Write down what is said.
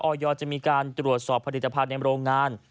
จะมีการตรวจสอบผลิตภัณฑ์ในโรงงาน